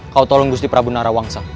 kau tolong gusti prabu narawangsa